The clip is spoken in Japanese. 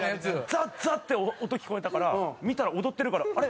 ザッザッて音聞こえたから見たら踊ってるからあれ？